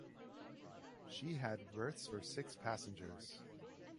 She had berths for six passengers.